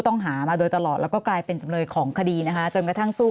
ต้องหามาโดยตลอดแล้วก็กลายเป็นจำเลยของคดีนะคะจนกระทั่งสู้